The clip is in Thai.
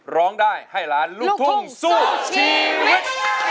ร้องได้ให้ล้านลูกทุ่งสู้ชีวิต